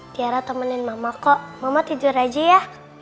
tiara temenin mama kok mama tidur aja ya